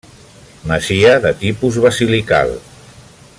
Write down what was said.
Masia de tipus basilical.